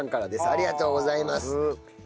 ありがとうございます。